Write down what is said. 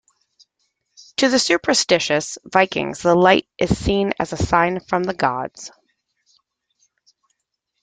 To the supersticious Vikings, the light is seen as a sign from the gods.